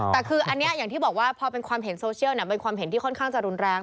แต่คืออันนี้อย่างที่บอกว่าพอเป็นความเห็นโซเชียลเป็นความเห็นที่ค่อนข้างจะรุนแรง